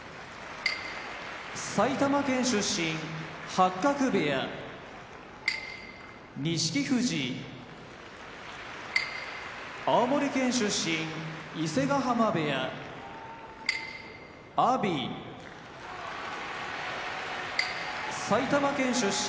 八角部屋錦富士青森県出身伊勢ヶ濱部屋阿炎埼玉県出身